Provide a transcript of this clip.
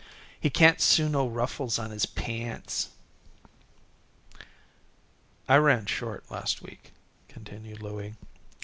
He can't sew no ruffles on his pants." "I ran short last week," continued Louie.